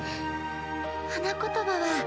花言葉は。